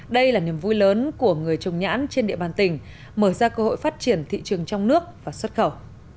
đây là niềm vui lớn của người trồng nhãn trên địa bàn tỉnh mở ra cơ hội phát triển thị trường trong nước và xuất khẩu